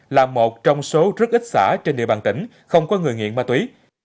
là một trong số rất ít xã trên địa bàn tỉnh không có người nghiện ma túy